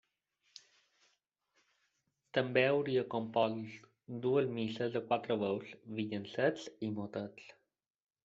També hauria compost dues misses a quatre veus, villancets i motets.